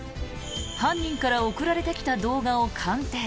犯人から送られてきた動画を鑑定。